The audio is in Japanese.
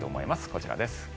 こちらです。